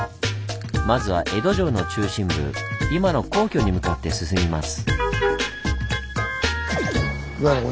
まずは江戸城の中心部今の皇居に向かって進みます。